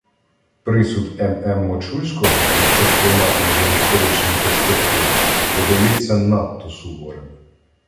Присуд М. М. Мочульського, якщо сприймати його в історичній перспективі, видається надто суворим.